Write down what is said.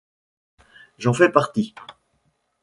J'en fais partie.